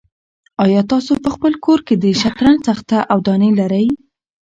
آیا تاسو په خپل کور کې د شطرنج تخته او دانې لرئ؟